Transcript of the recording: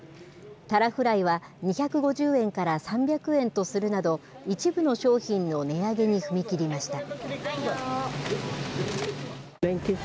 タラフライは２５０円から３００円とするなど、一部の商品の値上げに踏み切りました。